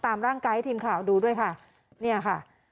ตามร่างกายให้ทีมข่าวดูด้วยค่ะเนี่ยค่ะ